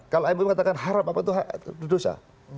kalau ayahmu katakan haram apa itu dosa